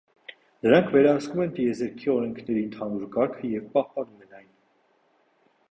Նրանք վերահսկում են տիեզերքի օրենքների ընդհանուր կարգը և պահպանում են այն։